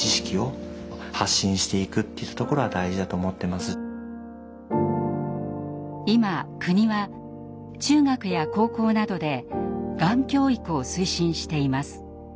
もうだから今国は中学や高校などでがん教育を推進しています。